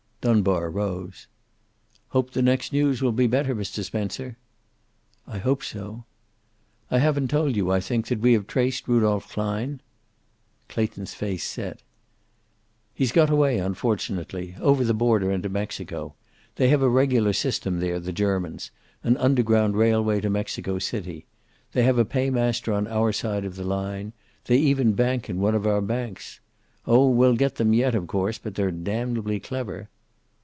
Dunbar rose. "Hope the next news will be better, Mr. Spencer." "I hope so." "I haven't told you, I think, that we have traced Rudolph Klein." Clayton's face set. "He's got away, unfortunately. Over the border into Mexico. They have a regular system there, the Germans an underground railway to Mexico City. They have a paymaster on our side of the line. They even bank in one of our banks! Oh, we'll get them yet, of course, but they're damnably clever."